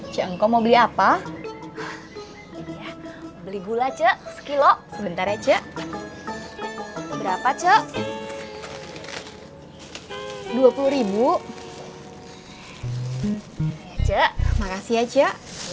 cik engkau mau beli apa beli gula ce sekilo sebentar ya ce berapa ce dua puluh ribu ya ce makasih ya ce sami sami